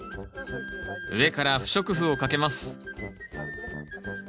上から不織布をかけます